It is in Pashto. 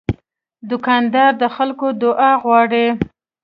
دوکاندار د خلکو دعا غواړي.